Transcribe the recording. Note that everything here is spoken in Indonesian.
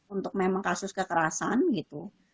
untuk memang kasus kekerasan gitu